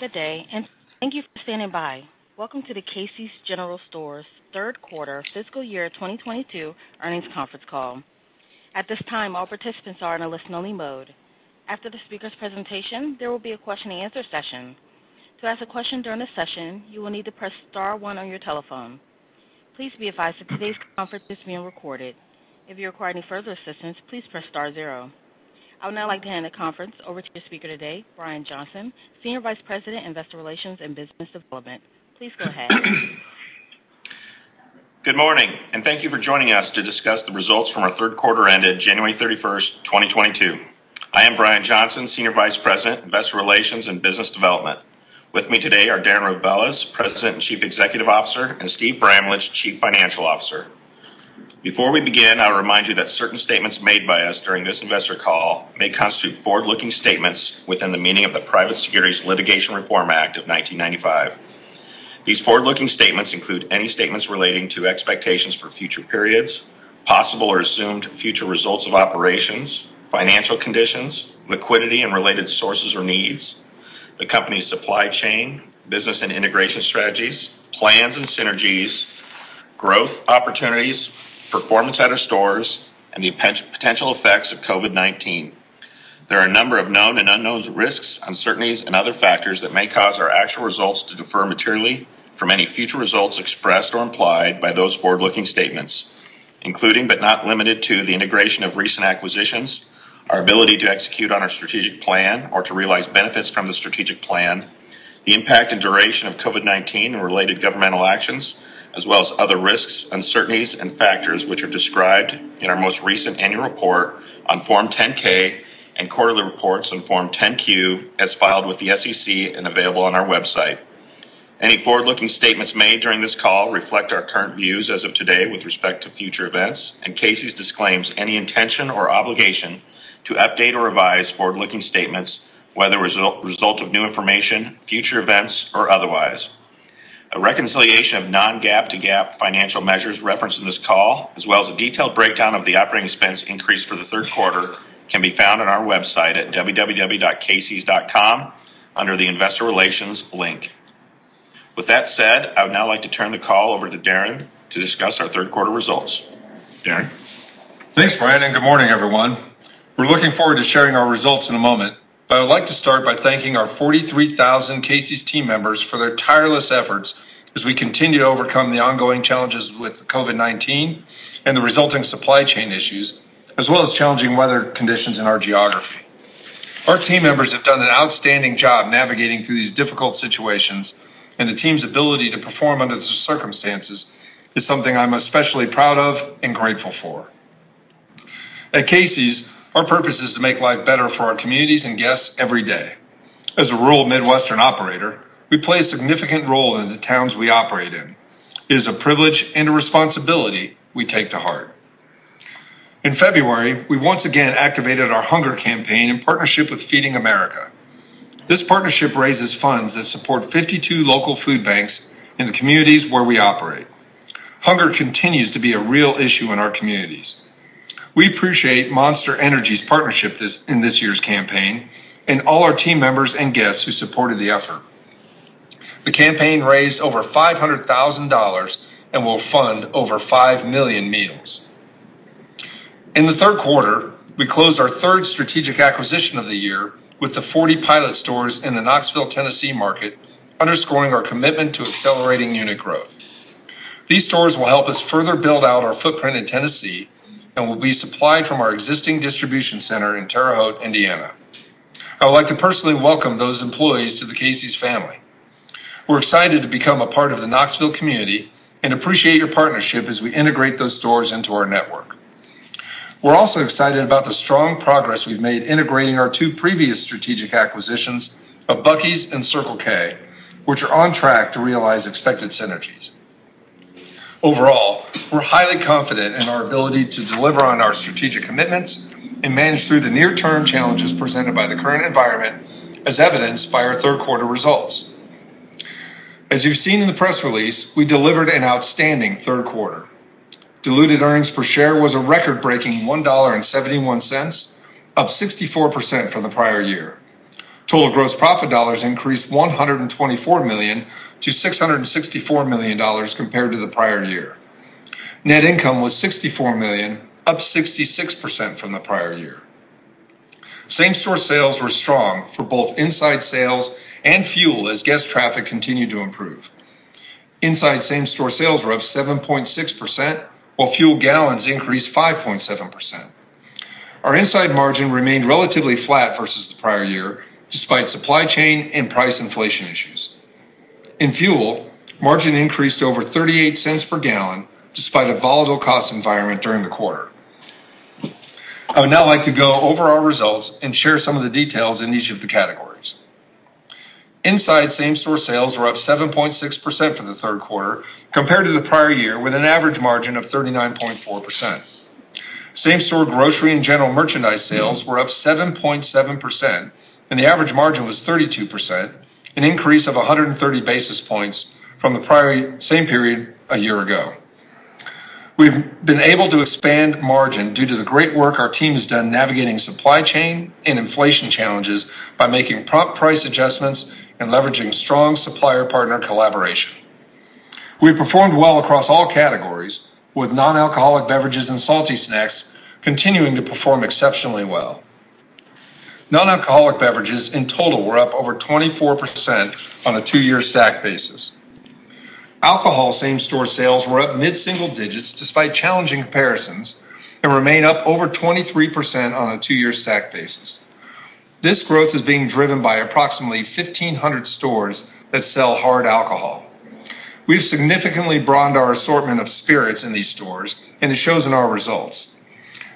Good day, and thank you for standing by. Welcome to the Casey's General Stores third quarter fiscal year 2022 earnings conference call. At this time, all participants are in a listen-only mode. After the speaker's presentation, there will be a question-and-answer session. To ask a question during the session, you will need to press star one on your telephone. Please be advised that today's conference is being recorded. If you require any further assistance, please press star zero. I would now like to hand the conference over to the speaker today, Brian Johnson, Senior Vice President, Investor Relations and Business Development. Please go ahead. Good morning, and thank you for joining us to discuss the results from our third quarter ended January 31st, 2022. I am Brian Johnson, Senior Vice President, Investor Relations and Business Development. With me today are Darren Rebelez, President and Chief Executive Officer, and Steve Bramlage, Chief Financial Officer. Before we begin, I'll remind you that certain statements made by us during this investor call may constitute forward-looking statements within the meaning of the Private Securities Litigation Reform Act of 1995. These forward-looking statements include any statements relating to expectations for future periods, possible or assumed future results of operations, financial conditions, liquidity and related sources or needs, the company's supply chain, business and integration strategies, plans and synergies, growth opportunities, performance at our stores, and the potential effects of COVID-19. There are a number of known and unknown risks, uncertainties and other factors that may cause our actual results to differ materially from any future results expressed or implied by those forward-looking statements, including but not limited to the integration of recent acquisitions, our ability to execute on our strategic plan or to realize benefits from the strategic plan, the impact and duration of COVID-19 and related governmental actions, as well as other risks, uncertainties and factors which are described in our most recent annual report on Form 10-K and quarterly reports on Form 10-Q as filed with the SEC and available on our website. Any forward-looking statements made during this call reflect our current views as of today with respect to future events, and Casey's disclaims any intention or obligation to update or revise forward-looking statements, whether as a result of new information, future events or otherwise. A reconciliation of non-GAAP to GAAP financial measures referenced in this call, as well as a detailed breakdown of the operating expense increase for the third quarter, can be found on our website at www.caseys.com under the Investor Relations link. With that said, I would now like to turn the call over to Darren to discuss our third quarter results. Darren? Thanks, Brian, and good morning, everyone. We're looking forward to sharing our results in a moment, but I would like to start by thanking our 43,000 Casey's team members for their tireless efforts as we continue to overcome the ongoing challenges with COVID-19 and the resulting supply chain issues, as well as challenging weather conditions in our geography. Our team members have done an outstanding job navigating through these difficult situations, and the team's ability to perform under the circumstances is something I'm especially proud of and grateful for. At Casey's, our purpose is to make life better for our communities and guests every day. As a rural Midwestern operator, we play a significant role in the towns we operate in. It is a privilege and a responsibility we take to heart. In February, we once again activated our hunger campaign in partnership with Feeding America. This partnership raises funds that support 52 local food banks in the communities where we operate. Hunger continues to be a real issue in our communities. We appreciate Monster Energy's partnership in this year's campaign and all our team members and guests who supported the effort. The campaign raised over $500,000 and will fund over 5 million meals. In the third quarter, we closed our third strategic acquisition of the year with the 40 Pilot stores in the Knoxville, Tennessee market, underscoring our commitment to accelerating unit growth. These stores will help us further build out our footprint in Tennessee and will be supplied from our existing distribution center in Terre Haute, Indiana. I would like to personally welcome those employees to the Casey's family. We're excited to become a part of the Knoxville community and appreciate your partnership as we integrate those stores into our network. We're also excited about the strong progress we've made integrating our two previous strategic acquisitions of Buchanan Energy and Circle K, which are on track to realize expected synergies. Overall, we're highly confident in our ability to deliver on our strategic commitments and manage through the near-term challenges presented by the current environment, as evidenced by our third quarter results. As you've seen in the press release, we delivered an outstanding third quarter. Diluted earnings per share was a record-breaking $1.71, up 64% from the prior year. Total gross profit dollars increased $124 million to $664 million compared to the prior year. Net income was $64 million, up 66% from the prior year. Same-store sales were strong for both inside sales and fuel as guest traffic continued to improve. Inside same-store sales were up 7.6%, while fuel gallons increased 5.7%. Our inside margin remained relatively flat versus the prior year despite supply chain and price inflation issues. In fuel, margin increased over $0.38 per gallon despite a volatile cost environment during the quarter. I would now like to go over our results and share some of the details in each of the categories. Inside same-store sales were up 7.6% for the third quarter compared to the prior year, with an average margin of 39.4%. Same-store grocery and general merchandise sales were up 7.7%, and the average margin was 32%, an increase of 130 basis points from the prior same period a year ago. We've been able to expand margin due to the great work our team has done navigating supply chain and inflation challenges by making prompt price adjustments and leveraging strong supplier partner collaboration. We performed well across all categories, with non-alcoholic beverages and salty snacks continuing to perform exceptionally well. Nonalcoholic beverages, in total, were up over 24% on a two-year stack basis. Alcohol same-store sales were up mid-single digits despite challenging comparisons, and remain up over 23% on a two-year stack basis. This growth is being driven by approximately 1,500 stores that sell hard alcohol. We've significantly broadened our assortment of spirits in these stores, and it shows in our results.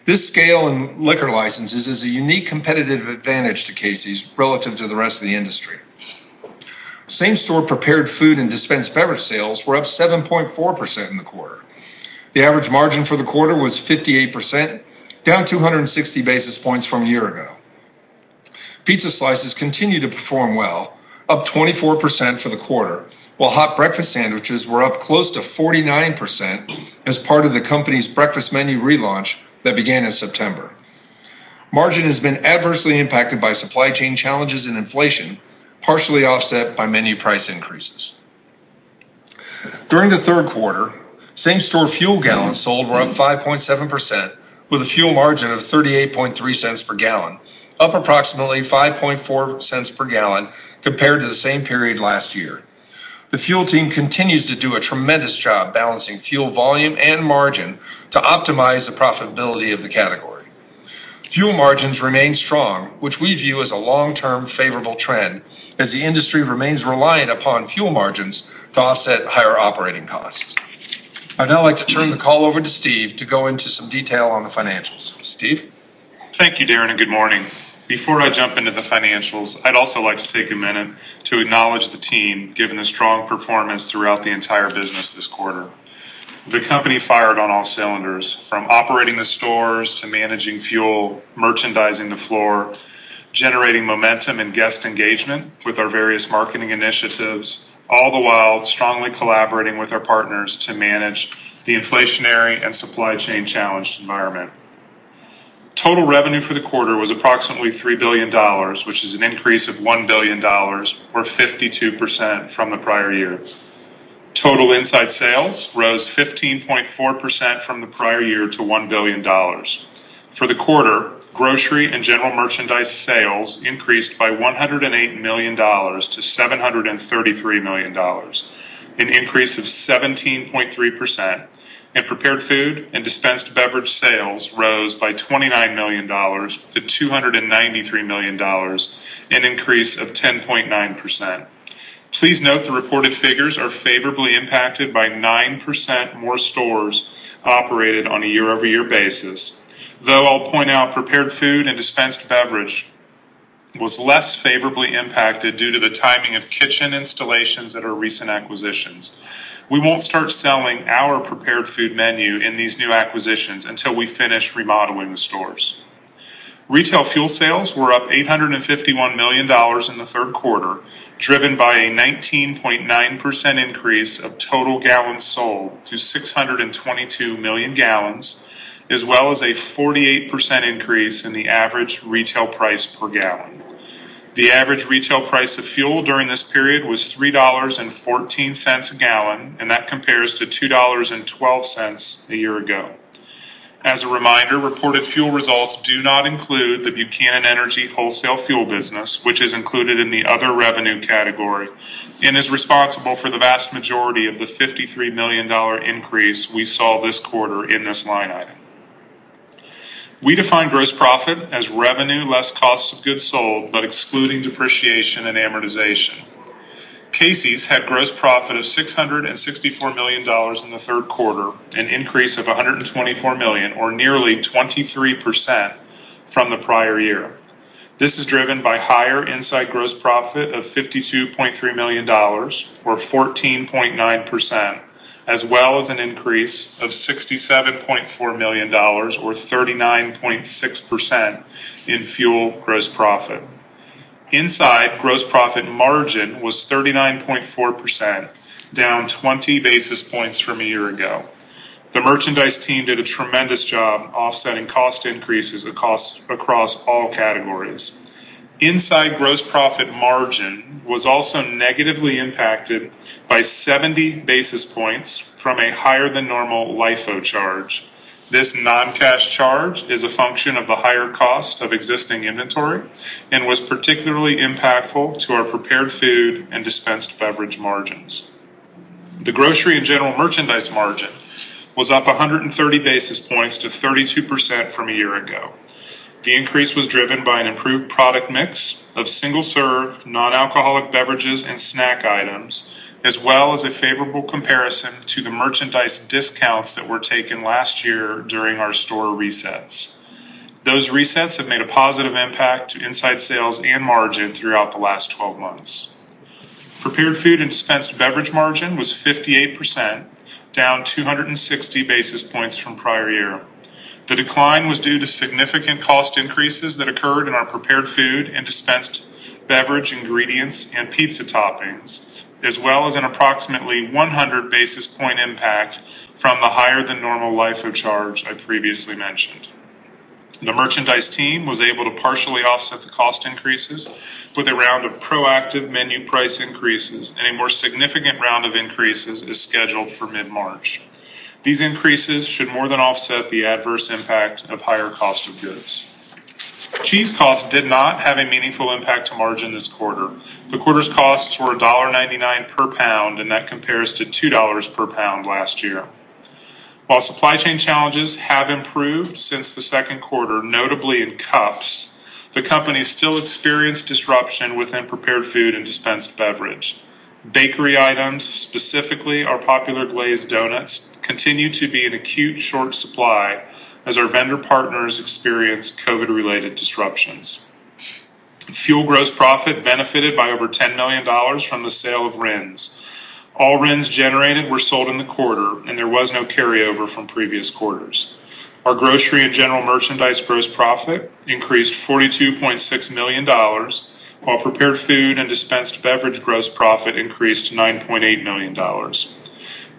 This scale in liquor licenses is a unique competitive advantage to Casey's relative to the rest of the industry. Same-store prepared food and dispensed beverage sales were up 7.4% in the quarter. The average margin for the quarter was 58%, down 260 basis points from a year ago. Pizza slices continued to perform well, up 24% for the quarter, while hot breakfast sandwiches were up close to 49% as part of the company's breakfast menu relaunch that began in September. Margin has been adversely impacted by supply chain challenges and inflation, partially offset by menu price increases. During the third quarter, same-store fuel gallons sold were up 5.7% with a fuel margin of $0.383 per gallon, up approximately $0.054 per gallon compared to the same period last year. The fuel team continues to do a tremendous job balancing fuel volume and margin to optimize the profitability of the category. Fuel margins remain strong, which we view as a long-term favorable trend as the industry remains reliant upon fuel margins to offset higher operating costs. I'd now like to turn the call over to Steve to go into some detail on the financials. Steve? Thank you, Darren, and good morning. Before I jump into the financials, I'd also like to take a minute to acknowledge the team, given the strong performance throughout the entire business this quarter. The company fired on all cylinders, from operating the stores to managing fuel, merchandising the floor, generating momentum and guest engagement with our various marketing initiatives, all the while strongly collaborating with our partners to manage the inflationary and supply chain challenged environment. Total revenue for the quarter was approximately $3 billion, which is an increase of $1 billion or 52% from the prior year. Total inside sales rose 15.4% from the prior year to $1 billion. For the quarter, grocery and general merchandise sales increased by $108 million to $733 million, an increase of 17.3%, and Prepared Food and Dispensed Beverage sales rose by $29 million to $293 million, an increase of 10.9%. Please note the reported figures are favorably impacted by 9% more stores operated on a year-over-year basis. Though I'll point out Prepared Food and Dispensed Beverage was less favorably impacted due to the timing of kitchen installations at our recent acquisitions. We won't start selling our prepared food menu in these new acquisitions until we finish remodeling the stores. Retail fuel sales were up $851 million in the third quarter, driven by a 19.9% increase of total gallons sold to 622 million gallons, as well as a 48% increase in the average retail price per gallon. The average retail price of fuel during this period was $3.14 a gallon, and that compares to $2.12 a year ago. As a reminder, reported fuel results do not include the Buchanan Energy wholesale fuel business, which is included in the other revenue category and is responsible for the vast majority of the $53 million increase we saw this quarter in this line item. We define gross profit as revenue less cost of goods sold, but excluding depreciation and amortization. Casey's had gross profit of $664 million in the third quarter, an increase of $124 million, or nearly 23% from the prior year. This is driven by higher inside gross profit of $52.3 million or 14.9%, as well as an increase of $67.4 million or 39.6% in fuel gross profit. Inside, gross profit margin was 39.4%, down 20 basis points from a year ago. The merchandise team did a tremendous job offsetting cost increases across all categories. Inside gross profit margin was also negatively impacted by 70 basis points from a higher than normal LIFO charge. This non-cash charge is a function of the higher cost of existing inventory and was particularly impactful to our prepared food and dispensed beverage margins. The grocery and general merchandise margin was up 130 basis points to 32% from a year ago. The increase was driven by an improved product mix of single-serve, non-alcoholic beverages and snack items, as well as a favorable comparison to the merchandise discounts that were taken last year during our store resets. Those resets have made a positive impact to inside sales and margin throughout the last 12 months. Prepared Food and Dispensed Beverage margin was 58%, down 260 basis points from prior year. The decline was due to significant cost increases that occurred in our prepared food and dispensed beverage ingredients and pizza toppings, as well as an approximately 100 basis point impact from the higher than normal LIFO charge I previously mentioned. The merchandise team was able to partially offset the cost increases with a round of proactive menu price increases, and a more significant round of increases is scheduled for mid-March. These increases should more than offset the adverse impact of higher cost of goods. Cheese costs did not have a meaningful impact to margin this quarter. The quarter's costs were $1.99 per pound, and that compares to $2 per pound last year. While supply chain challenges have improved since the second quarter, notably in cups, the company still experienced disruption within prepared food and dispensed beverage. Bakery items, specifically our popular glazed donuts, continue to be in acute short supply as our vendor partners experience COVID-related disruptions. Fuel gross profit benefited by over $10 million from the sale of RINs. All RINs generated were sold in the quarter, and there was no carryover from previous quarters. Our grocery and general merchandise gross profit increased $42.6 million, while Prepared Food and Dispensed Beverage gross profit increased to $9.8 million.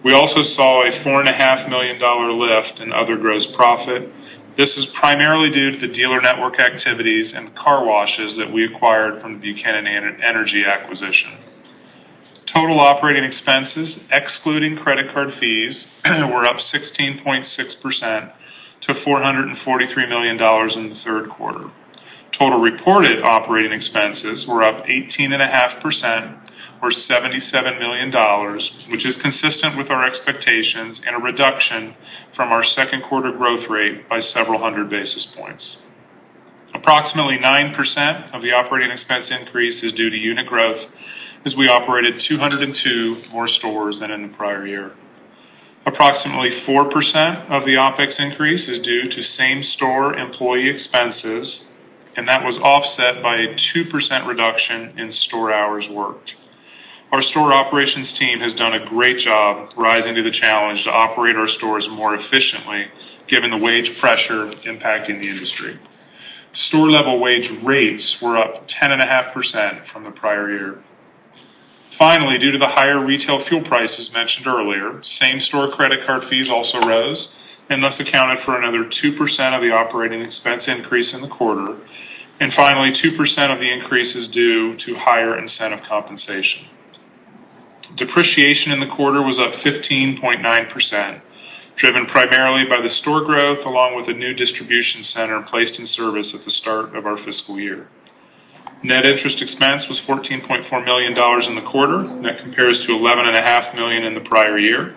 We also saw a $4.5 million lift in other gross profit. This is primarily due to the dealer network activities and car washes that we acquired from the Buchanan Energy acquisition. Total operating expenses, excluding credit card fees, were up 16.6% to $443 million in the third quarter. Total reported operating expenses were up 18.5%, or $77 million, which is consistent with our expectations and a reduction from our second quarter growth rate by several hundred basis points. Approximately 9% of the operating expense increase is due to unit growth as we operated 202 more stores than in the prior year. Approximately 4% of the OpEx increase is due to same-store employee expenses, and that was offset by a 2% reduction in store hours worked. Our store operations team has done a great job rising to the challenge to operate our stores more efficiently given the wage pressure impacting the industry. Store-level wage rates were up 10.5% from the prior year. Finally, due to the higher retail fuel prices mentioned earlier, same-store credit card fees also rose and thus accounted for another 2% of the operating expense increase in the quarter. Finally, 2% of the increase is due to higher incentive compensation. Depreciation in the quarter was up 15.9%, driven primarily by the store growth, along with the new distribution center placed in service at the start of our fiscal year. Net interest expense was $14.4 million in the quarter. That compares to $11.5 million in the prior year.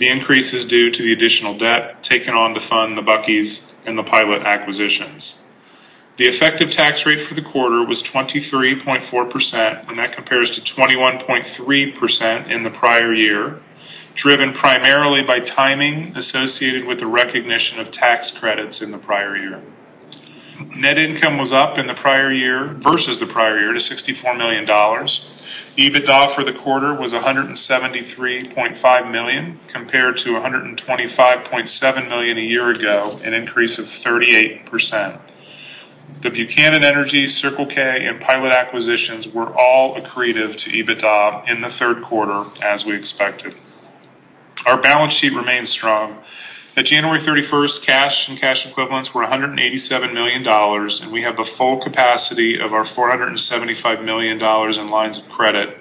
The increase is due to the additional debt taken on to fund the Buchanan Energy and the Pilot acquisitions. The effective tax rate for the quarter was 23.4%, and that compares to 21.3% in the prior year, driven primarily by timing associated with the recognition of tax credits in the prior year. Net income was up year-over-year to $64 million. EBITDA for the quarter was $173.5 million compared to $125.7 million a year ago, an increase of 38%. The Buchanan Energy, Circle K, and Pilot acquisitions were all accretive to EBITDA in the third quarter as we expected. Our balance sheet remains strong. At January 31st, cash and cash equivalents were $187 million, and we have the full capacity of our $475 million in lines of credit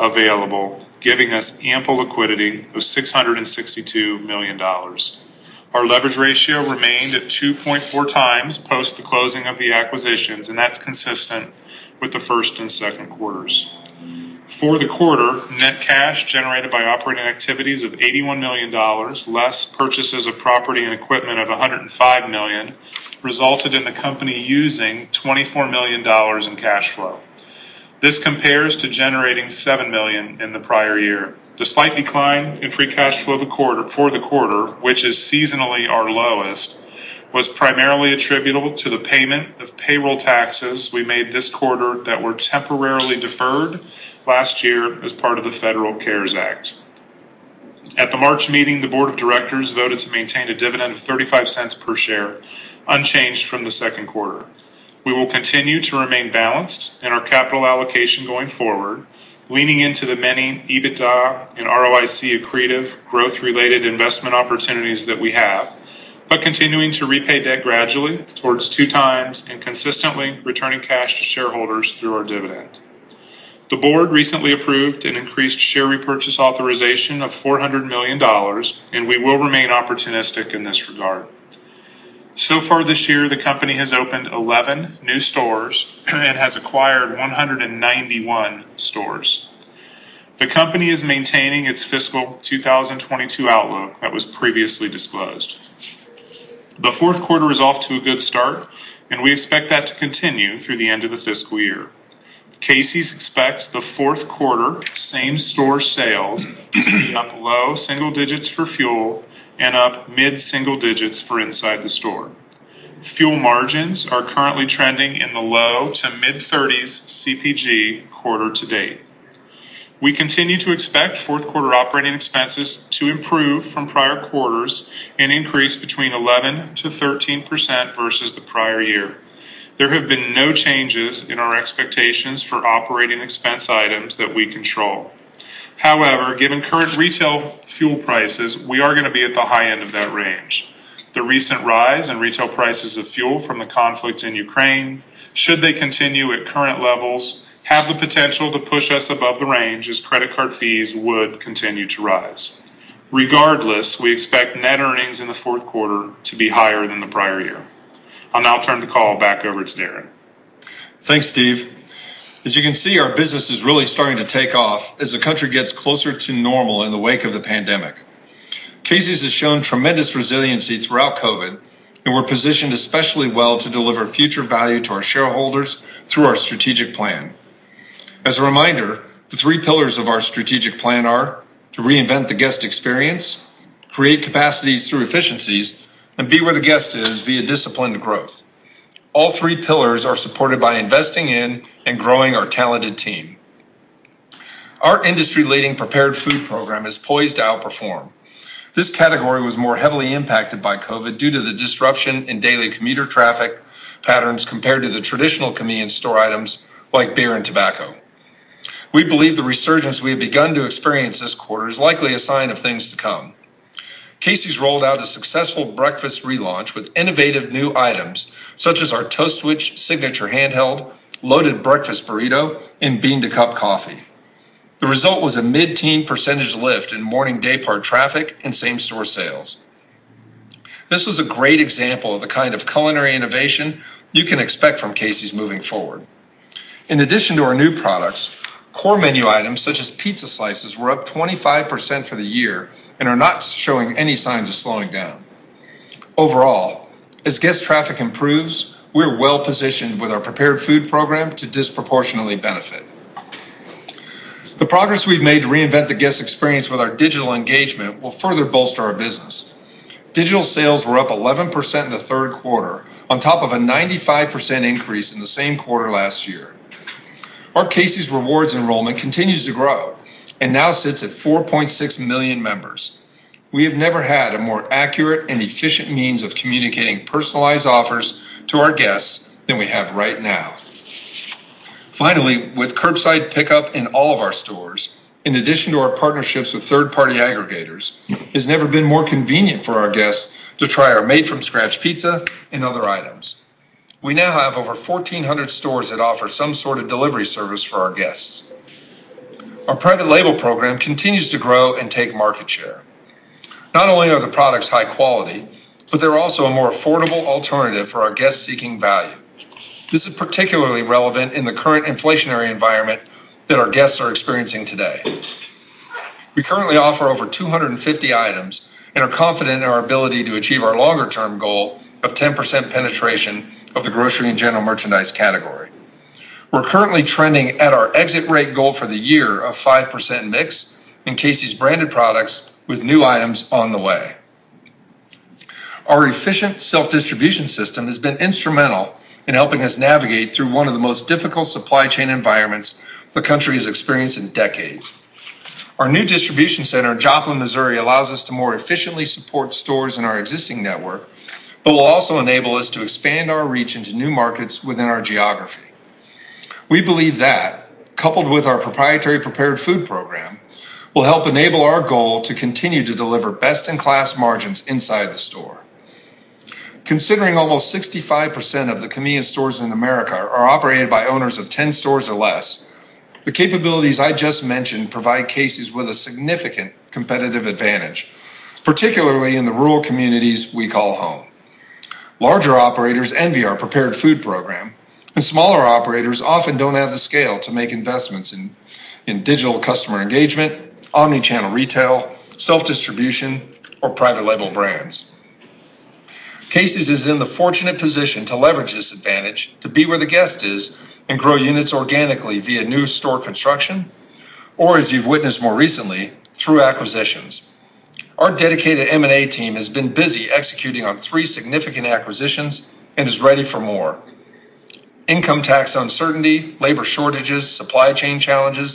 available, giving us ample liquidity of $662 million. Our leverage ratio remained at 2.4x post the closing of the acquisitions, and that's consistent with the first and second quarters. For the quarter, net cash generated by operating activities of $81 million, less purchases of property and equipment of $105 million, resulted in the company using $24 million in cash flow. This compares to generating $7 million in the prior year. The slight decline in free cash flow for the quarter, which is seasonally our lowest, was primarily attributable to the payment of payroll taxes we made this quarter that were temporarily deferred last year as part of the Federal CARES Act. At the March meeting, the board of directors voted to maintain a dividend of $0.35 per share, unchanged from the second quarter. We will continue to remain balanced in our capital allocation going forward, leaning into the many EBITDA and ROIC accretive growth-related investment opportunities that we have, but continuing to repay debt gradually towards 2x and consistently returning cash to shareholders through our dividend. The board recently approved an increased share repurchase authorization of $400 million, and we will remain opportunistic in this regard. So far this year, the company has opened 11 new stores and has acquired 191 stores. The company is maintaining its fiscal 2022 outlook that was previously disclosed. The fourth quarter is off to a good start, and we expect that to continue through the end of the fiscal year. Casey's expects the fourth quarter same-store sales to be up low single digits for fuel and up mid single digits for inside the store. Fuel margins are currently trending in the low- to mid-30s CPG quarter to date. We continue to expect fourth quarter operating expenses to improve from prior quarters and increase between 11%-13% versus the prior year. There have been no changes in our expectations for operating expense items that we control. However, given current retail fuel prices, we are gonna be at the high end of that range. The recent rise in retail prices of fuel from the conflict in Ukraine, should they continue at current levels, have the potential to push us above the range as credit card fees would continue to rise. Regardless, we expect net earnings in the fourth quarter to be higher than the prior year. I'll now turn the call back over to Darren. Thanks, Steve. As you can see, our business is really starting to take off as the country gets closer to normal in the wake of the pandemic. Casey's has shown tremendous resiliency throughout COVID, and we're positioned especially well to deliver future value to our shareholders through our strategic plan. As a reminder, the three pillars of our strategic plan are to reinvent the guest experience, create capacity through efficiencies, and be where the guest is via disciplined growth. All three pillars are supported by investing in and growing our talented team. Our industry-leading prepared food program is poised to outperform. This category was more heavily impacted by COVID due to the disruption in daily commuter traffic patterns compared to the traditional convenience store items like beer and tobacco. We believe the resurgence we have begun to experience this quarter is likely a sign of things to come. Casey's rolled out a successful breakfast relaunch with innovative new items, such as our Toastwich signature handheld, loaded breakfast burrito, and bean to cup coffee. The result was a mid-teen percent lift in morning day part traffic and same store sales. This was a great example of the kind of culinary innovation you can expect from Casey's moving forward. In addition to our new products, core menu items, such as pizza slices, were up 25% for the year and are not showing any signs of slowing down. Overall, as guest traffic improves, we're well-positioned with our prepared food program to disproportionately benefit. The progress we've made to reinvent the guest experience with our digital engagement will further bolster our business. Digital sales were up 11% in the third quarter on top of a 95% increase in the same quarter last year. Our Casey's Rewards enrollment continues to grow and now sits at 4.6 million members. We have never had a more accurate and efficient means of communicating personalized offers to our guests than we have right now. Finally, with curbside pickup in all of our stores, in addition to our partnerships with third-party aggregators, it's never been more convenient for our guests to try our made from scratch pizza and other items. We now have over 1,400 stores that offer some sort of delivery service for our guests. Our private label program continues to grow and take market share. Not only are the products high quality, but they're also a more affordable alternative for our guests seeking value. This is particularly relevant in the current inflationary environment that our guests are experiencing today. We currently offer over 250 items and are confident in our ability to achieve our longer term goal of 10% penetration of the grocery and general merchandise category. We're currently trending at our exit rate goal for the year of 5% mix in Casey's branded products with new items on the way. Our efficient self-distribution system has been instrumental in helping us navigate through one of the most difficult supply chain environments the country has experienced in decades. Our new distribution center in Joplin, Missouri, allows us to more efficiently support stores in our existing network, but will also enable us to expand our reach into new markets within our geography. We believe that, coupled with our proprietary prepared food program, will help enable our goal to continue to deliver best in class margins inside the store. Considering almost 65% of the convenience stores in America are operated by owners of 10 stores or less, the capabilities I just mentioned provide Casey's with a significant competitive advantage, particularly in the rural communities we call home. Larger operators envy our prepared food program, and smaller operators often don't have the scale to make investments in digital customer engagement, omni-channel retail, self-distribution, or private label brands. Casey's is in the fortunate position to leverage this advantage to be where the guest is and grow units organically via new store construction, or as you've witnessed more recently, through acquisitions. Our dedicated M&A team has been busy executing on three significant acquisitions and is ready for more. Income tax uncertainty, labor shortages, supply chain challenges,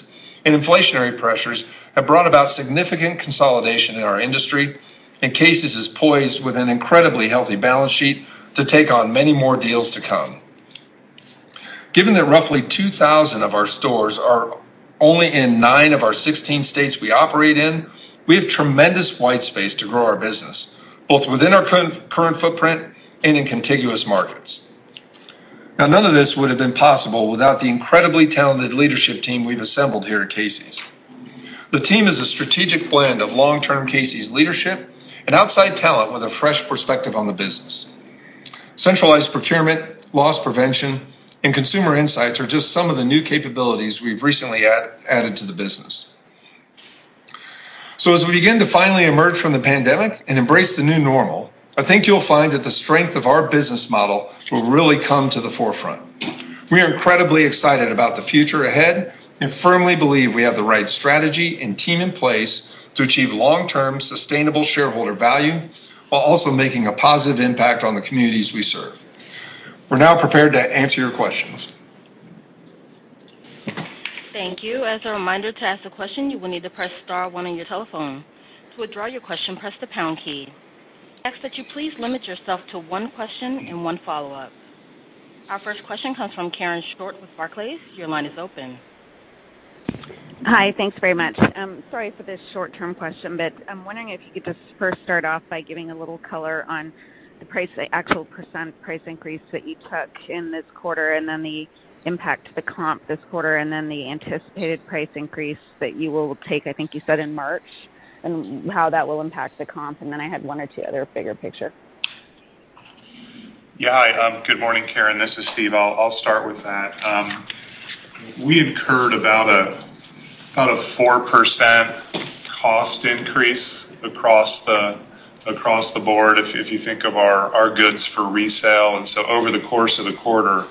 and inflationary pressures have brought about significant consolidation in our industry, and Casey's is poised with an incredibly healthy balance sheet to take on many more deals to come. Given that roughly 2,000 of our stores are only in nine of our sixteen states, we operate in, we have tremendous white space to grow our business, both within our current footprint and in contiguous markets. Now, none of this would have been possible without the incredibly talented leadership team we've assembled here at Casey's. The team is a strategic blend of long-term Casey's leadership and outside talent with a fresh perspective on the business. Centralized procurement, loss prevention, and consumer insights are just some of the new capabilities we've recently added to the business. As we begin to finally emerge from the pandemic and embrace the new normal, I think you'll find that the strength of our business model will really come to the forefront. We are incredibly excited about the future ahead and firmly believe we have the right strategy and team in place to achieve long-term sustainable shareholder value while also making a positive impact on the communities we serve. We're now prepared to answer your questions. Thank you. As a reminder, to ask a question, you will need to press star one on your telephone. To withdraw your question, press the pound key. I ask that you please limit yourself to one question and one follow-up. Our first question comes from Karen Short with Barclays. Your line is open. Hi. Thanks very much. Sorry for this short-term question, but I'm wondering if you could just first start off by giving a little color on the price, the actual percent price increase that you took in this quarter and then the impact to the comp this quarter and then the anticipated price increase that you will take, I think you said in March, and how that will impact the comp. Then I had one or two other bigger picture. Yeah. Hi, good morning, Karen. This is Steve. I'll start with that. We incurred about a 4% cost increase across the board if you think of our goods for resale. Over the course of the quarter,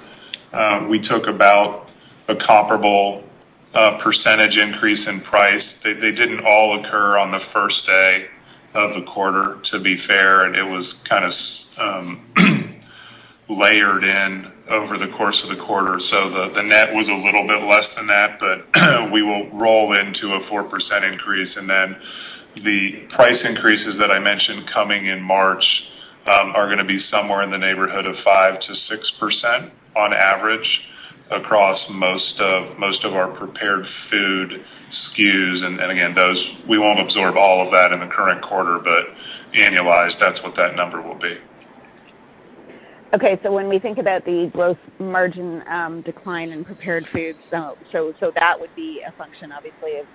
we took about a comparable percentage increase in price. They didn't all occur on the first day of the quarter, to be fair, and it was kind of layered in over the course of the quarter. The net was a little bit less than that, but we will roll into a 4% increase. Then the price increases that I mentioned coming in March are gonna be somewhere in the neighborhood of 5%-6% on average across most of our prepared food SKUs. We won't absorb all of that in the current quarter, but annualized, that's what that number will be. Okay. When we think about the gross margin decline in prepared foods, that would be a function, obviously, of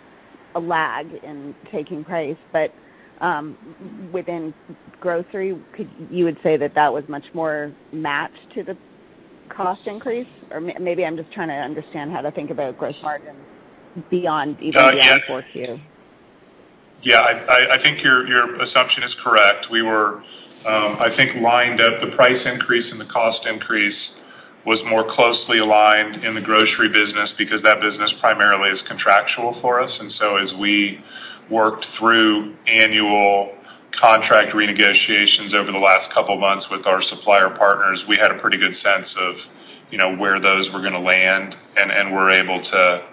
a lag in taking price. Within grocery, could you say that was much more matched to the cost increase? Maybe I'm just trying to understand how to think about gross margins beyond even the 4Q. Yeah. I think your assumption is correct. We were, I think, lined up the price increase and the cost increase was more closely aligned in the grocery business because that business primarily is contractual for us. As we worked through annual contract renegotiations over the last couple months with our supplier partners, we had a pretty good sense of, you know, where those were gonna land and we're able to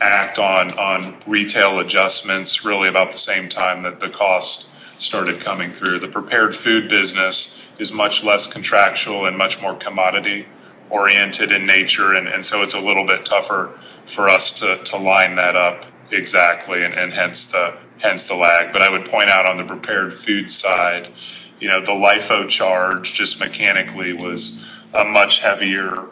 act on retail adjustments really about the same time that the cost started coming through. The prepared food business is much less contractual and much more commodity-oriented in nature, and so it's a little bit tougher for us to line that up exactly and hence the lag. I would point out on the prepared food side, you know, the LIFO charge just mechanically was a much heavier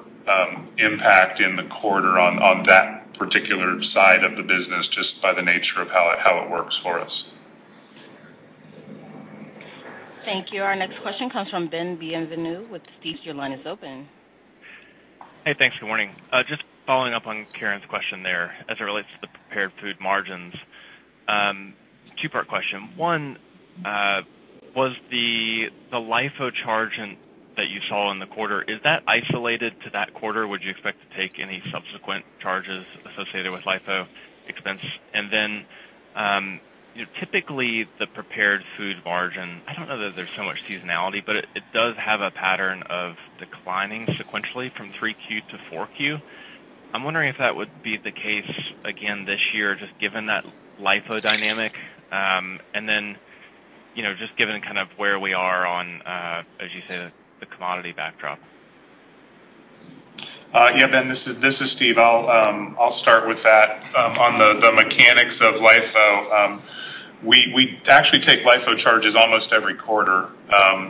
impact in the quarter on that particular side of the business just by the nature of how it works for us. Thank you. Our next question comes from Ben Bienvenu with Stephens. Your line is open. Hey. Thanks. Good morning. Just following up on Karen's question there as it relates to the prepared food margins, two-part question. One, was the LIFO charge that you saw in the quarter isolated to that quarter? Would you expect to take any subsequent charges associated with LIFO expense? You know, typically the prepared food margin, I don't know that there's so much seasonality, but it does have a pattern of declining sequentially from 3Q to 4Q. I'm wondering if that would be the case again this year just given that LIFO dynamic, you know, just given kind of where we are on, as you say, the commodity backdrop. Yeah, Ben. This is Steve. I'll start with that. On the mechanics of LIFO, we actually take LIFO charges almost every quarter,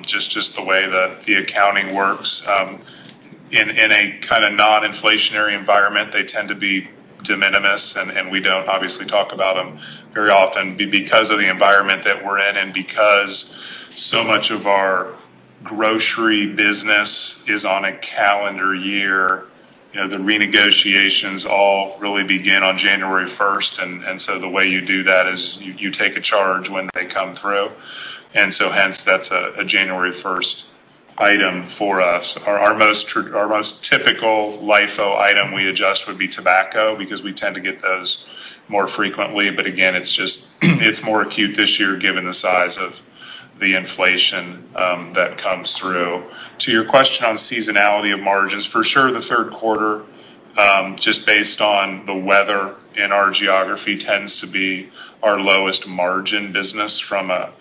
just the way the accounting works. In a kinda non-inflationary environment, they tend to be de minimis, and we don't obviously talk about them very often because of the environment that we're in and because so much of our grocery business is on a calendar year. You know, the renegotiations all really begin on January 1st, and so the way you do that is you take a charge when they come through. Hence that's a January first item for us. Our most typical LIFO item we adjust would be tobacco because we tend to get those more frequently. Again, it's just, it's more acute this year given the size of the inflation that comes through. To your question on seasonality of margins, for sure the third quarter just based on the weather in our geography tends to be our lowest margin business from a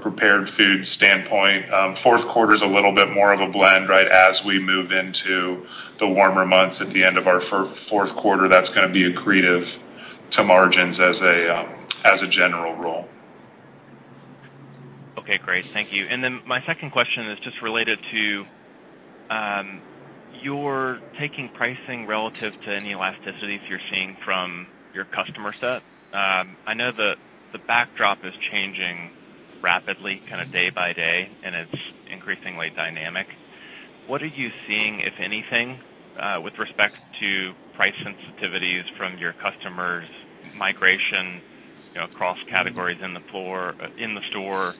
prepared food standpoint. Fourth quarter's a little bit more of a blend, right, as we move into the warmer months at the end of our fourth quarter. That's gonna be accretive to margins as a general rule. Okay. Great. Thank you. Then my second question is just related to your taking pricing relative to any elasticities you're seeing from your customer set. I know the backdrop is changing rapidly, kinda day by day, and it's increasingly dynamic. What are you seeing, if anything, with respect to price sensitivities from your customers' migration, you know, across categories in the store,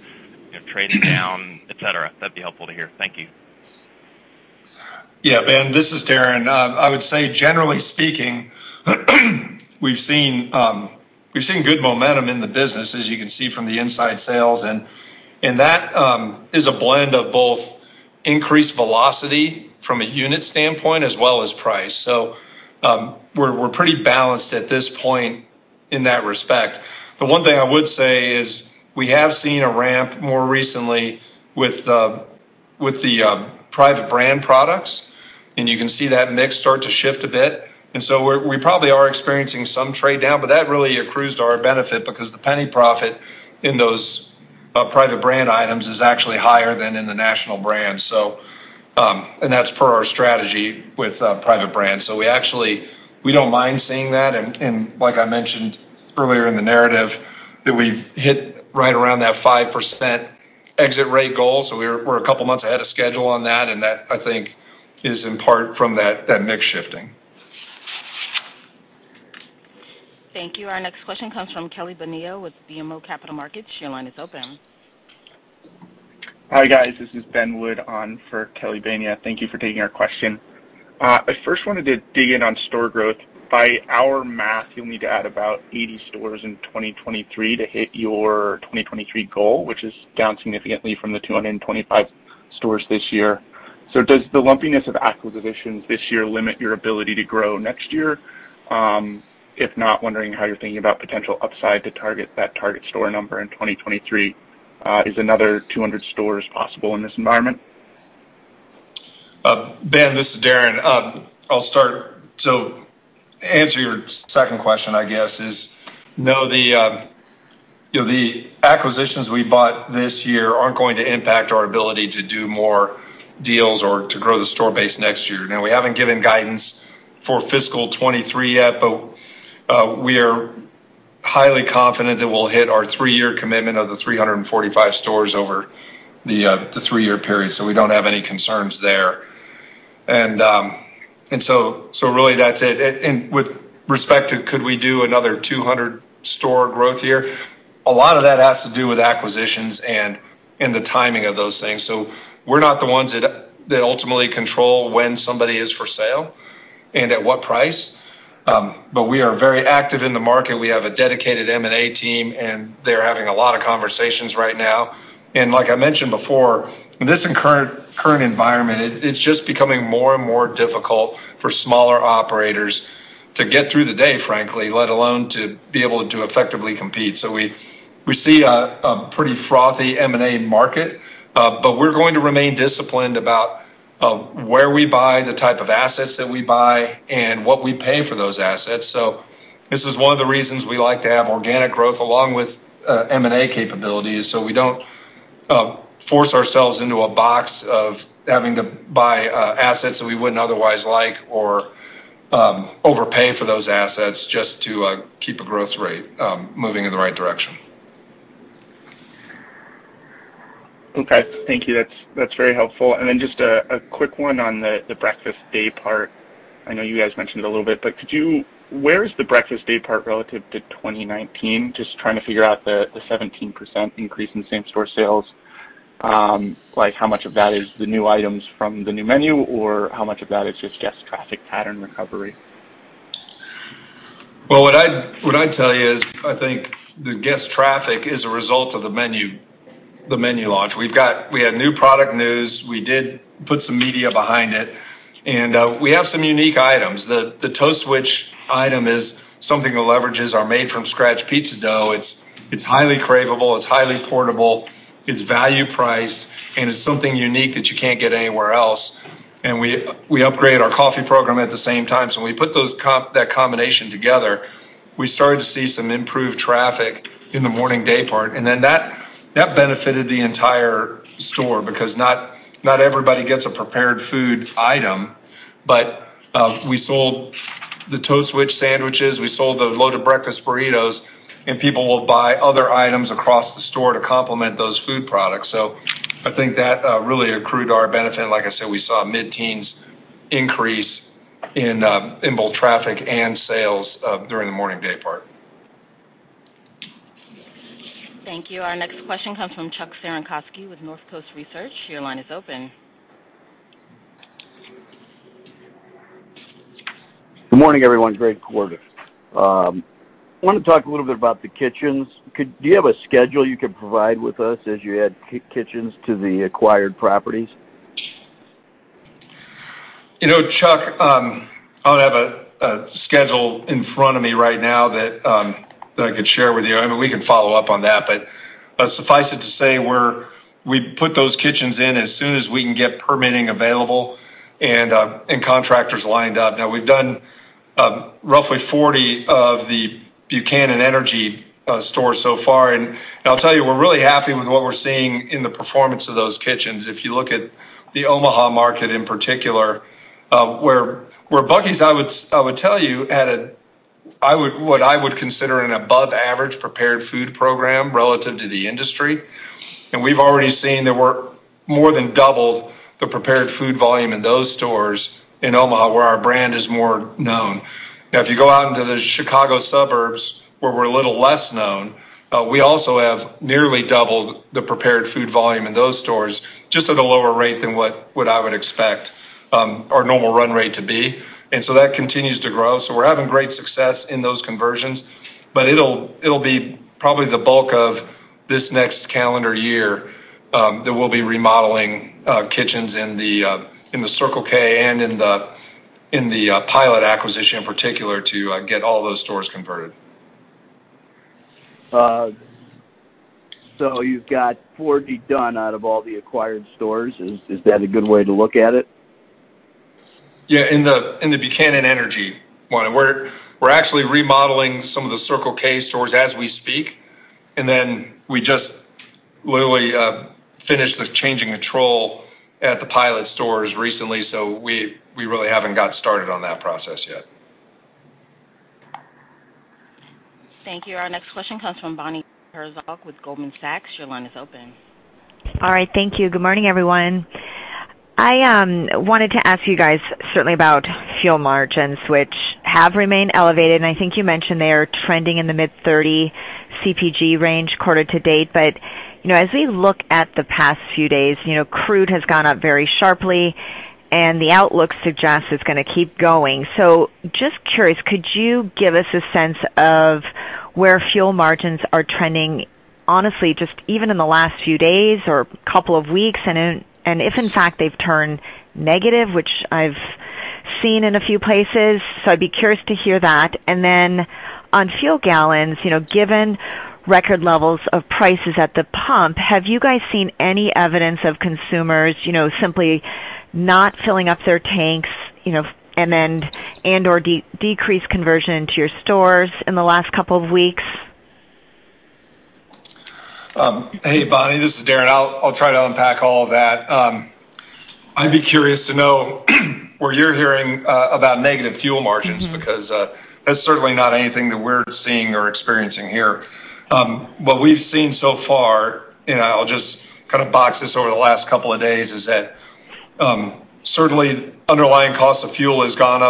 you know, trading down, et cetera? That'd be helpful to hear. Thank you. Yeah. Ben, this is Darren. I would say generally speaking. We've seen good momentum in the business, as you can see from the inside sales. That is a blend of both increased velocity from a unit standpoint, as well as price. We're pretty balanced at this point in that respect. The one thing I would say is we have seen a ramp more recently with the private brand products, and you can see that mix start to shift a bit. We're probably experiencing some trade-down, but that really accrues to our benefit because the penny profit in those private brand items is actually higher than in the national brands. That's per our strategy with private brands. We actually don't mind seeing that. Like I mentioned earlier in the narrative, that we've hit right around that 5% exit rate goal. We're a couple months ahead of schedule on that, and that, I think, is in part from that mix shifting. Thank you. Our next question comes from Kelly Bania with BMO Capital Markets. Your line is open. Hi, guys. This is Ben Wood on for Kelly Bania. Thank you for taking our question. I first wanted to dig in on store growth. By our math, you'll need to add about 80 stores in 2023 to hit your 2023 goal, which is down significantly from the 225 stores this year. Does the lumpiness of acquisitions this year limit your ability to grow next year? If not, wondering how you're thinking about potential upside to target that target store number in 2023. Is another 200 stores possible in this environment? Ben, this is Darren. I'll start. Answer your second question, I guess, is no, the acquisitions we bought this year aren't going to impact our ability to do more deals or to grow the store base next year. Now, we haven't given guidance for fiscal 2023 yet, but we are highly confident that we'll hit our three-year commitment of 345 stores over the three-year period. We don't have any concerns there. Really that's it. With respect to could we do another 200 store growth year? A lot of that has to do with acquisitions and the timing of those things. We're not the ones that ultimately control when somebody is for sale and at what price. But we are very active in the market. We have a dedicated M&A team, and they're having a lot of conversations right now. Like I mentioned before, this current environment, it's just becoming more and more difficult for smaller operators to get through the day, frankly, let alone to be able to effectively compete. We see a pretty frothy M&A market, but we're going to remain disciplined about where we buy, the type of assets that we buy, and what we pay for those assets. This is one of the reasons we like to have organic growth along with M&A capabilities, so we don't force ourselves into a box of having to buy assets that we wouldn't otherwise like or overpay for those assets just to keep a growth rate moving in the right direction. Okay. Thank you. That's very helpful. Then just a quick one on the breakfast day part. I know you guys mentioned it a little bit, but where is the breakfast day part relative to 2019? Just trying to figure out the 17% increase in same-store sales. Like, how much of that is the new items from the new menu or how much of that is just guest traffic pattern recovery? Well, what I'd tell you is I think the guest traffic is a result of the menu launch. We had new product news. We did put some media behind it, and we have some unique items. The Toastwich item is something that leverages our made from scratch pizza dough. It's highly craveable, it's highly portable, it's value priced, and it's something unique that you can't get anywhere else. We upgrade our coffee program at the same time. When we put that combination together, we started to see some improved traffic in the morning day part. That benefited the entire store because not everybody gets a prepared food item. We sold the Toastwich sandwiches, we sold the loaded breakfast burritos, and people will buy other items across the store to complement those food products. I think that really accrued to our benefit. Like I said, we saw a mid-teens increase in both traffic and sales during the morning day part. Thank you. Our next question comes from Chuck Cerankosky with Northcoast Research. Your line is open. Good morning, everyone. Great quarter. I wanna talk a little bit about the kitchens. Do you have a schedule you could provide with us as you add kitchens to the acquired properties? You know, Chuck, I don't have a schedule in front of me right now that I could share with you. I mean, we can follow up on that, but suffice it to say we put those kitchens in as soon as we can get permitting available and contractors lined up. Now, we've done roughly 40 of the Buchanan Energy stores so far. I'll tell you, we're really happy with what we're seeing in the performance of those kitchens. If you look at the Omaha market in particular, where Buchanan's had what I would consider an above average prepared food program relative to the industry. We've already seen that we're more than double the prepared food volume in those stores in Omaha where our brand is more known. Now, if you go out into the Chicago suburbs where we're a little less known, we also have nearly doubled the prepared food volume in those stores just at a lower rate than what I would expect our normal run rate to be. That continues to grow. We're having great success in those conversions, but it'll be probably the bulk of this next calendar year that we'll be remodeling kitchens in the Circle K and in the Pilot acquisition in particular to get all those stores converted. You've got 40 done out of all the acquired stores. Is that a good way to look at it? Yeah. In the Buchanan Energy one. We're actually remodeling some of the Circle K stores as we speak, and then we just literally finished with changing control at the Pilot stores recently, so we really haven't got started on that process yet. Thank you. Our next question comes from Bonnie Herzog with Goldman Sachs. Your line is open. All right. Thank you. Good morning, everyone. I wanted to ask you guys certainly about fuel margins, which have remained elevated, and I think you mentioned they are trending in the mid-30 cents per gallon range quarter to date. You know, as we look at the past few days, you know, crude has gone up very sharply and the outlook suggests it's gonna keep going. Just curious, could you give us a sense of where fuel margins are trending honestly, just even in the last few days or couple of weeks? If, in fact, they've turned negative, which I've seen in a few places. I'd be curious to hear that. Then on fuel gallons, you know, given record levels of prices at the pump, have you guys seen any evidence of consumers, you know, simply not filling up their tanks, you know, and/or decrease conversion into your stores in the last couple of weeks? Hey, Bonnie, this is Darren. I'll try to unpack all of that. I'd be curious to know where you're hearing about negative fuel margins, because that's certainly not anything that we're seeing or experiencing here. What we've seen so far, and I'll just kind of talk this over the last couple of days, is that certainly underlying cost of fuel has gone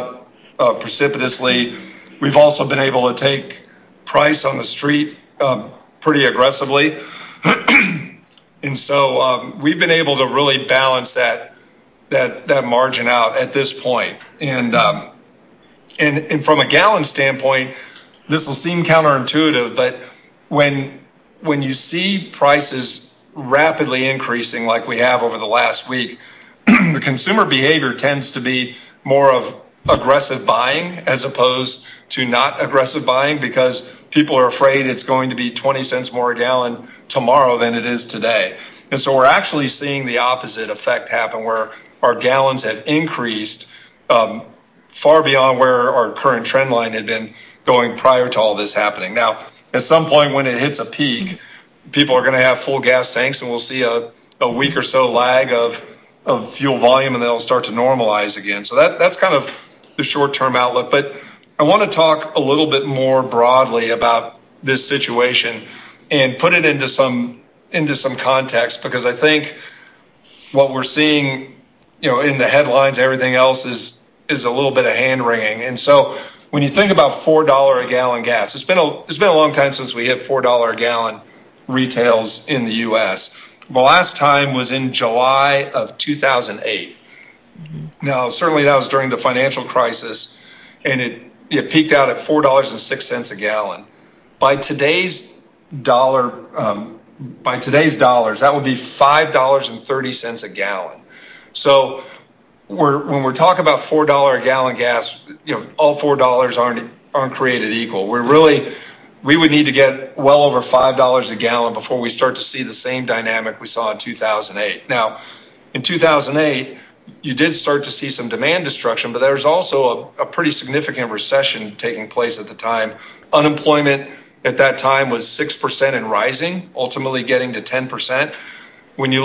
up precipitously. We've also been able to take price on the street pretty aggressively. We've been able to really balance that margin out at this point. From a gallon standpoint, this will seem counterintuitive, but when you see prices rapidly increasing like we have over the last week, the consumer behavior tends to be more of aggressive buying as opposed to not aggressive buying because people are afraid it's going to be $0.20 more a gallon tomorrow than it is today. We're actually seeing the opposite effect happen where our gallons have increased far beyond where our current trend line had been going prior to all this happening. Now, at some point when it hits a peak, people are gonna have full gas tanks, and we'll see a week or so lag of fuel volume, and then it'll start to normalize again. That's kind of the short-term outlook. I wanna talk a little bit more broadly about this situation and put it into some context because I think what we're seeing, you know, in the headlines, everything else is a little bit of hand wringing. When you think about $4 a gallon gas, it's been a long time since we hit $4 a gallon retail in the U.S. The last time was in July of 2008. Now certainly that was during the financial crisis, and it peaked out at $4.06 a gallon. By today's dollars, that would be $5.30 a gallon. When we talk about $4 a gallon gas, you know, all four dollars aren't created equal. We would need to get well over $5 a gallon before we start to see the same dynamic we saw in 2008. Now in 2008, you did start to see some demand destruction, but there was also a pretty significant recession taking place at the time. Unemployment at that time was 6% and rising, ultimately getting to 10%. When you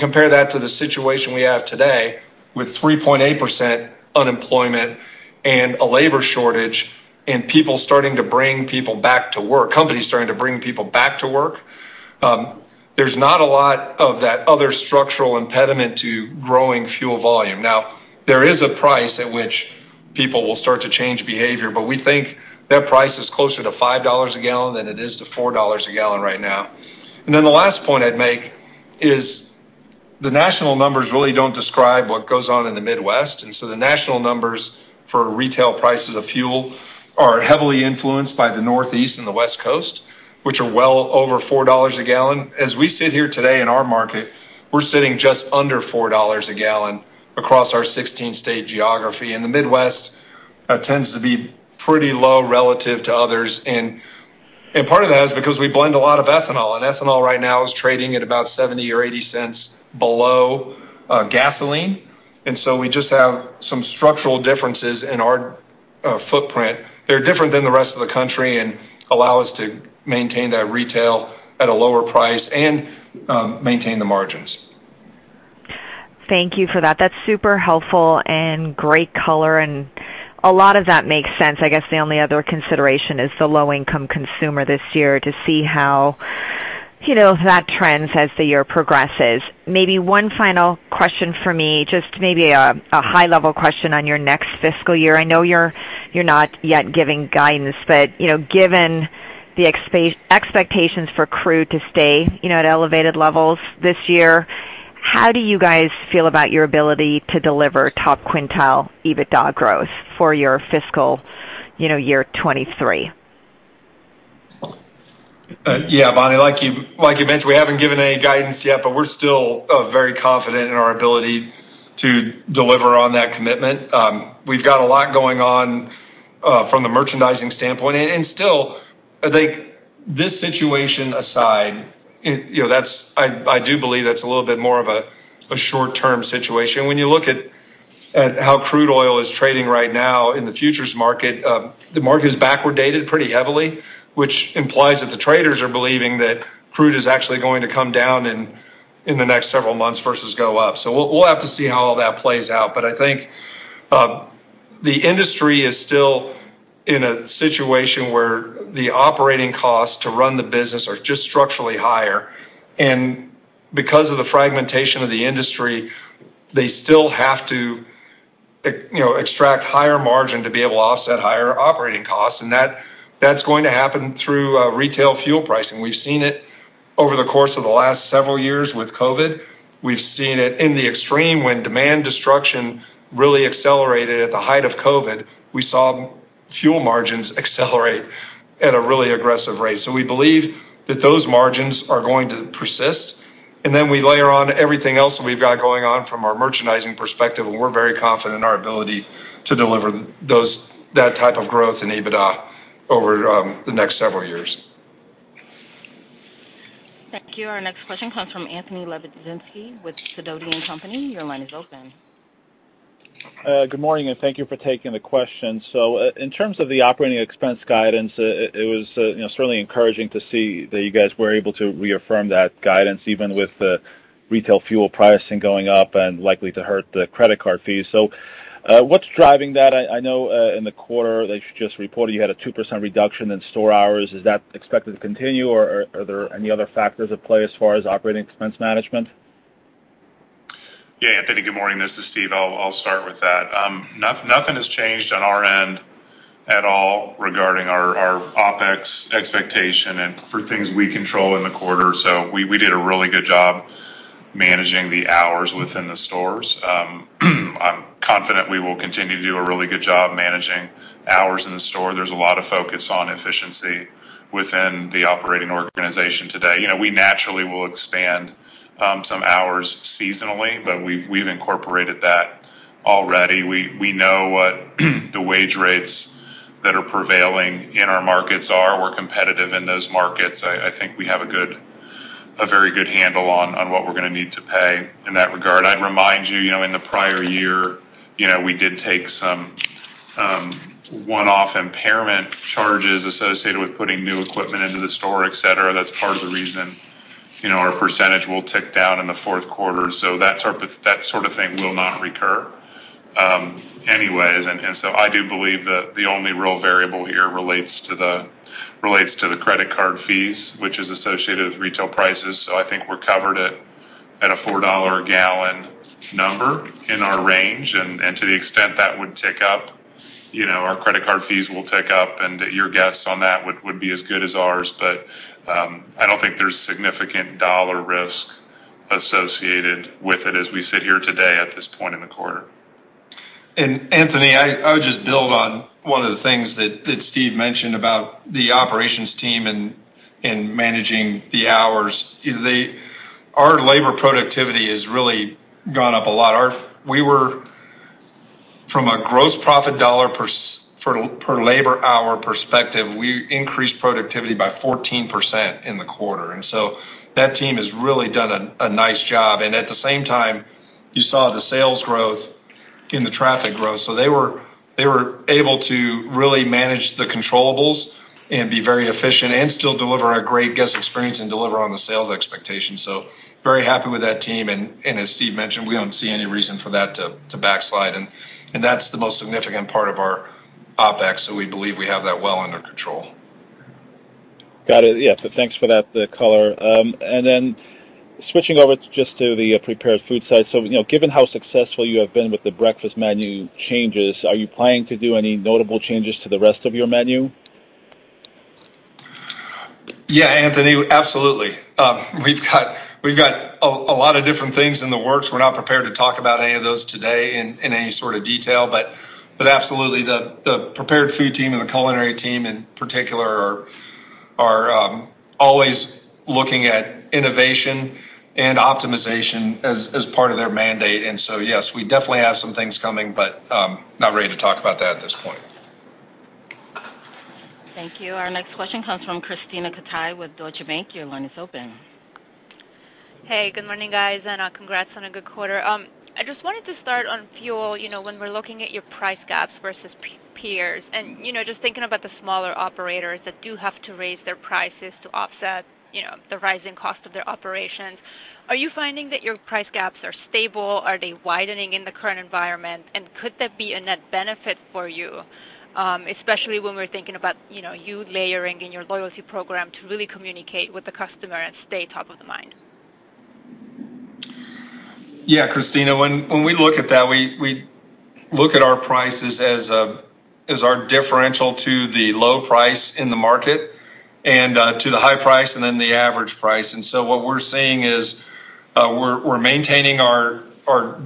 compare that to the situation we have today with 3.8% unemployment and a labor shortage and people starting to bring people back to work, companies starting to bring people back to work, there's not a lot of that other structural impediment to growing fuel volume. Now, there is a price at which people will start to change behavior, but we think that price is closer to $5 a gallon than it is to $4 a gallon right now. Then the last point I'd make is the national numbers really don't describe what goes on in the Midwest. The national numbers for retail prices of fuel are heavily influenced by the Northeast and the West Coast, which are well over $4 a gallon. As we sit here today in our market, we're sitting just under $4 a gallon across our 16-state geography. In the Midwest, it tends to be pretty low relative to others. Part of that is because we blend a lot of ethanol, and ethanol right now is trading at about $0.70 or $0.80 below gasoline. We just have some structural differences in our footprint. They're different than the rest of the country and allow us to maintain that retail at a lower price and maintain the margins. Thank you for that. That's super helpful and great color, and a lot of that makes sense. I guess the only other consideration is the low-income consumer this year to see how, you know, that trends as the year progresses. Maybe one final question for me, just maybe a high level question on your next fiscal year. I know you're not yet giving guidance, but, you know, given the expectations for crude to stay, you know, at elevated levels this year. How do you guys feel about your ability to deliver top quintile EBITDA growth for your fiscal year 2023? Bonnie, like you mentioned, we haven't given any guidance yet, but we're still very confident in our ability to deliver on that commitment. We've got a lot going on from the merchandising standpoint. Still, I think this situation aside, I do believe that's a little bit more of a short-term situation. When you look at how crude oil is trading right now in the futures market, the market is backwardated pretty heavily, which implies that the traders are believing that crude is actually going to come down in the next several months versus go up. We'll have to see how all that plays out. I think the industry is still in a situation where the operating costs to run the business are just structurally higher. Because of the fragmentation of the industry, they still have to, you know, extract higher margin to be able to offset higher operating costs, and that's going to happen through retail fuel pricing. We've seen it over the course of the last several years with COVID. We've seen it in the extreme when demand destruction really accelerated at the height of COVID. We saw fuel margins accelerate at a really aggressive rate. We believe that those margins are going to persist, and then we layer on everything else that we've got going on from our merchandising perspective, and we're very confident in our ability to deliver that type of growth in EBITDA over the next several years. Thank you. Our next question comes from Anthony Lebiedzinski with Sidoti & Company. Your line is open. Good morning, and thank you for taking the question. In terms of the operating expense guidance, it was, you know, certainly encouraging to see that you guys were able to reaffirm that guidance, even with the retail fuel pricing going up and likely to hurt the credit card fees. What's driving that? I know in the quarter that you just reported, you had a 2% reduction in store hours. Is that expected to continue, or are there any other factors at play as far as operating expense management? Yeah, Anthony, good morning. This is Steve. I'll start with that. Nothing has changed on our end at all regarding our OpEx expectation and for things we control in the quarter. We did a really good job managing the hours within the stores. I'm confident we will continue to do a really good job managing hours in the store. There's a lot of focus on efficiency within the operating organization today. You know, we naturally will expand some hours seasonally, but we've incorporated that already. We know what the wage rates that are prevailing in our markets are. We're competitive in those markets. I think we have a very good handle on what we're gonna need to pay in that regard. I'd remind you know, in the prior year, you know, we did take some one-off impairment charges associated with putting new equipment into the store, et cetera. That's part of the reason, you know, our percentage will tick down in the fourth quarter. That sort of thing will not recur, anyways. I do believe that the only real variable here relates to the credit card fees, which is associated with retail prices. I think we're covered at a $4 a gallon number in our range. To the extent that would tick up, you know, our credit card fees will tick up, and your guess on that would be as good as ours. I don't think there's significant dollar risk associated with it as we sit here today at this point in the quarter. Anthony, I would just build on one of the things that Steve mentioned about the operations team and managing the hours. Our labor productivity has really gone up a lot. We were, from a gross profit dollar per labor hour perspective, we increased productivity by 14% in the quarter. That team has really done a nice job. At the same time, you saw the sales growth and the traffic growth. They were able to really manage the controllables and be very efficient and still deliver a great guest experience and deliver on the sales expectations. Very happy with that team. As Steve mentioned, we don't see any reason for that to backslide. That's the most significant part of our OpEx, so we believe we have that well under control. Got it. Yeah. Thanks for that, the color. Then switching over just to the prepared food side. You know, given how successful you have been with the breakfast menu changes, are you planning to do any notable changes to the rest of your menu? Yeah, Anthony, absolutely. We've got a lot of different things in the works. We're not prepared to talk about any of those today in any sort of detail, but absolutely the Prepared Food team and the culinary team in particular are always looking at innovation and optimization as part of their mandate. Yes, we definitely have some things coming, but not ready to talk about that at this point. Thank you. Our next question comes from Krisztina Katai with Deutsche Bank. Your line is open. Hey, good morning, guys, and congrats on a good quarter. I just wanted to start on fuel. You know, when we're looking at your price gaps versus peers and, you know, just thinking about the smaller operators that do have to raise their prices to offset, you know, the rising cost of their operations, are you finding that your price gaps are stable? Are they widening in the current environment? Could that be a net benefit for you, especially when we're thinking about, you know, you layering in your loyalty program to really communicate with the customer and stay top of mind? Yeah, Krisztina, when we look at that, we look at our prices as our differential to the low price in the market and to the high price and then the average price. What we're seeing is we're maintaining our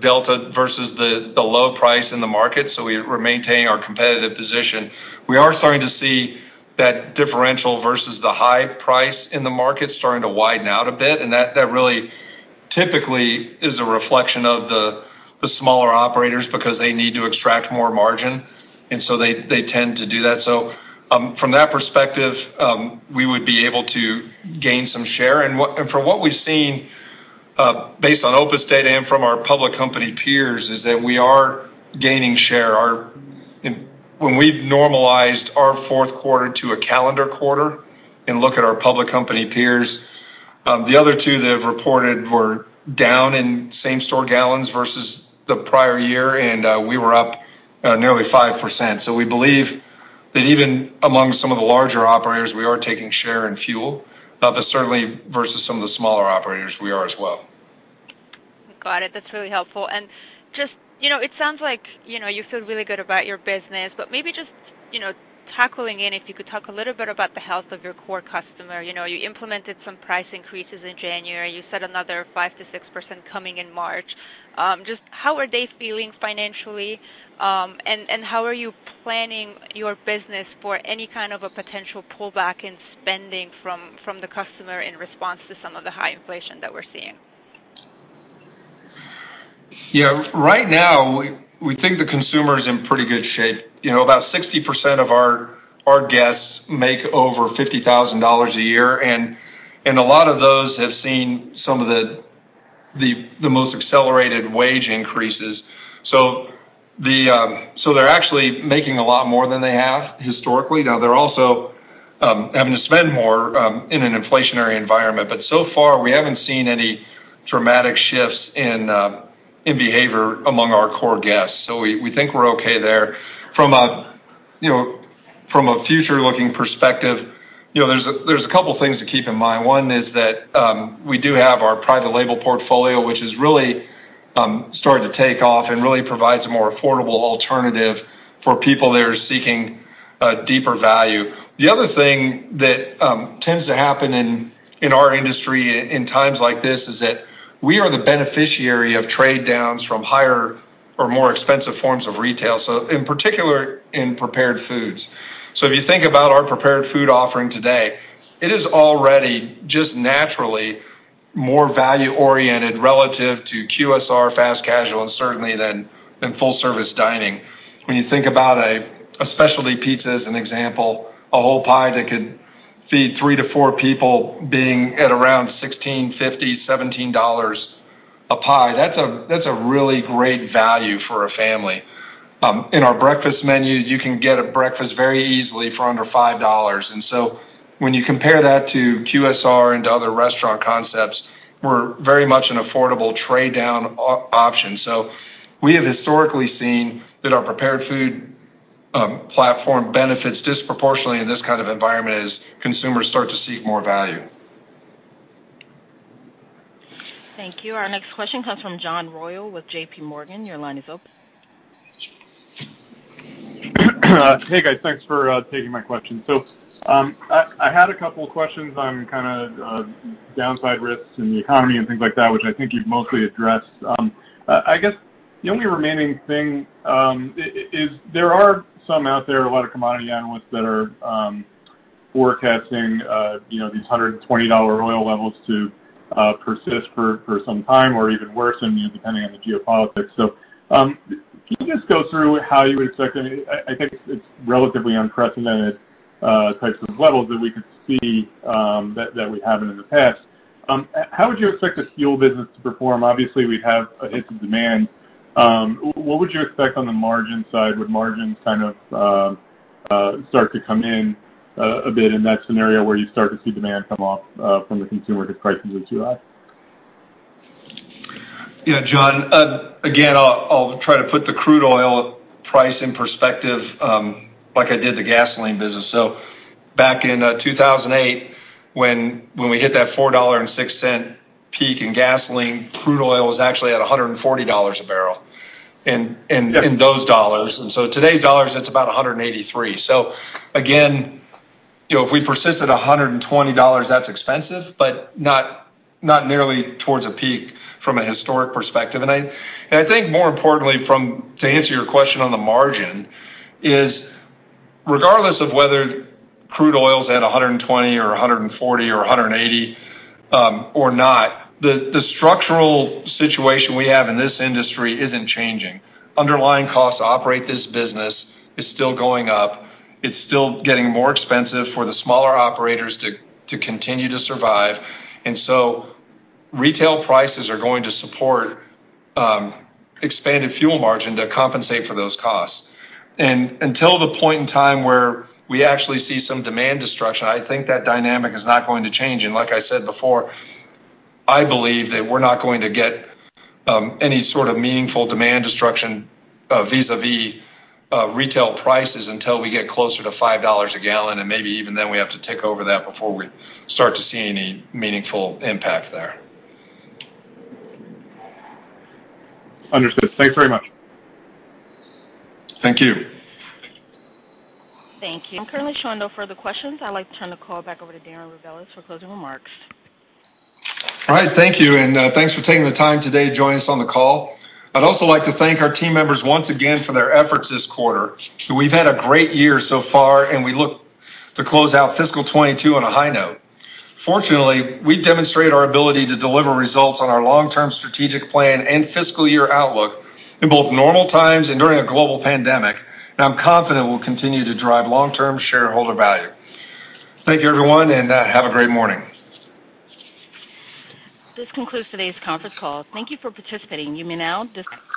delta versus the low price in the market, so we're maintaining our competitive position. We are starting to see that differential versus the high price in the market starting to widen out a bit, and that really typically is a reflection of the smaller operators because they need to extract more margin, and so they tend to do that. From that perspective, we would be able to gain some share. From what we've seen, based on OPIS data and from our public company peers, is that we are gaining share. When we've normalized our fourth quarter to a calendar quarter and look at our public company peers, the other two that have reported were down in same-store gallons versus the prior year, and we were up nearly 5%. We believe that even among some of the larger operators, we are taking share in fuel. Certainly versus some of the smaller operators, we are as well. Got it. That's really helpful. Just, you know, it sounds like, you know, you feel really good about your business, but maybe just, you know, tackling in, if you could talk a little bit about the health of your core customer. You know, you implemented some price increases in January. You said another 5%-6% coming in March. Just how are they feeling financially, and how are you planning your business for any kind of a potential pullback in spending from the customer in response to some of the high inflation that we're seeing? Yeah. Right now, we think the consumer is in pretty good shape. You know, about 60% of our guests make over $50,000 a year, and a lot of those have seen some of the most accelerated wage increases. They're actually making a lot more than they have historically. Now, they're also having to spend more in an inflationary environment. So far, we haven't seen any dramatic shifts in behavior among our core guests, so we think we're okay there. From a future-looking perspective, you know, there's a couple things to keep in mind. One is that we do have our private label portfolio, which has really started to take off and really provides a more affordable alternative for people that are seeking deeper value. The other thing that tends to happen in our industry in times like this is that we are the beneficiary of trade downs from higher or more expensive forms of retail, so in particular in prepared foods. If you think about our prepared food offering today, it is already just naturally more value-oriented relative to QSR fast casual and certainly than full-service dining. When you think about a specialty pizza as an example, a whole pie that could feed three to four people being at around $16.50-$17 a pie, that's a really great value for a family. In our breakfast menu, you can get a breakfast very easily for under $5. When you compare that to QSR and to other restaurant concepts, we're very much an affordable trade-down option. We have historically seen that our prepared food platform benefits disproportionately in this kind of environment as consumers start to seek more value. Thank you. Our next question comes from John Royall with JPMorgan. Your line is open. Hey, guys. Thanks for taking my question. I had a couple questions on kinda downside risks in the economy and things like that, which I think you've mostly addressed. I guess the only remaining thing is there are some out there, a lot of commodity analysts that are forecasting, you know, these $120 oil levels to persist for some time or even worsen, depending on the geopolitics. Can you just go through how you expect it? I think it's relatively unprecedented types of levels that we could see, that we haven't in the past. How would you expect the fuel business to perform? Obviously, we have a hit to demand. What would you expect on the margin side? Would margins kind of start to come in a bit in that scenario where you start to see demand come off from the consumer because prices are too high? Yeah, John. Again, I'll try to put the crude oil price in perspective, like I did the gasoline business. Back in 2008 when we hit that $4.06 peak in gasoline, crude oil was actually at $140 a barrel in those dollars. Today's dollars, it's about $183. Again, you know, if we persist at $120, that's expensive, but not nearly towards a peak from a historic perspective. I think more importantly from to answer your question on the margin, is regardless of whether crude oil is at $120 or $140 or $180, or not, the structural situation we have in this industry isn't changing. Underlying costs to operate this business is still going up. It's still getting more expensive for the smaller operators to continue to survive. Retail prices are going to support expanded fuel margin to compensate for those costs. Until the point in time where we actually see some demand destruction, I think that dynamic is not going to change. Like I said before, I believe that we're not going to get any sort of meaningful demand destruction vis-à-vis retail prices until we get closer to $5 a gallon, and maybe even then we have to tick over that before we start to see any meaningful impact there. Understood. Thanks very much. Thank you. Thank you. I'm currently showing no further questions. I'd like to turn the call back over to Darren Rebelez for closing remarks. All right. Thank you, and, thanks for taking the time today to join us on the call. I'd also like to thank our team members once again for their efforts this quarter. We've had a great year so far, and we look to close out fiscal 2022 on a high note. Fortunately, we've demonstrated our ability to deliver results on our long-term strategic plan and fiscal year outlook in both normal times and during a global pandemic, and I'm confident we'll continue to drive long-term shareholder value. Thank you, everyone, and, have a great morning. This concludes today's conference call. Thank you for participating. You may now disconnect.